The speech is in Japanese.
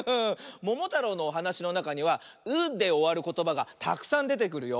「ももたろう」のおはなしのなかには「う」でおわることばがたくさんでてくるよ。